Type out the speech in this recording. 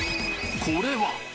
これは？